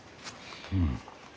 うん。